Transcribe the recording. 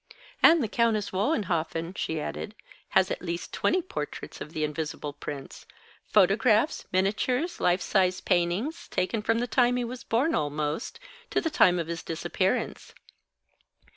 "And the Countess Wohenhoffen," she added, "has at least twenty portraits of the Invisible Prince photographs, miniatures, life size paintings, taken from the time he was born, almost, to the time of his disappearance.